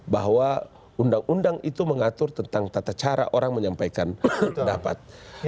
bahwa undang undang itu mengatur tentang tata cara orang menyampaikan pendapat